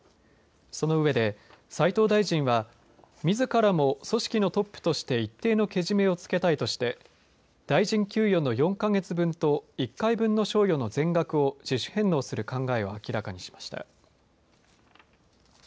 そのうえで斉藤大臣はみずからも組織のトップとして一定のけじめをつけたいとして大臣給与の４か月分と１回分の賞与の全額を自主返納する考えを明らかにしました。